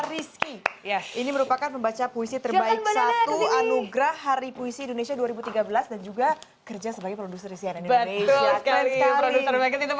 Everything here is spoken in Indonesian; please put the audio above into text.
hai rizky ya ini merupakan pembaca puisi terbaik satu anugerah hari puisi indonesia dua ribu tiga belas dan juga kerja sebagai produser isian indonesia sekali sangat itu